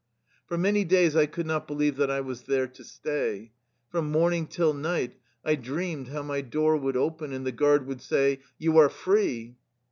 For many days I could not believe that I was there to stay. From morning till night I dreamed how my door would open and the guard would say :" You are free